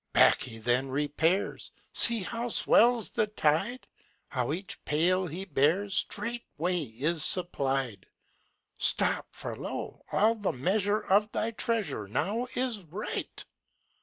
Back he then repairs; See how swells the tide! How each pail he bears Straightway is supplied! Stop, for, lo! All the measure Of thy treasure Now is right!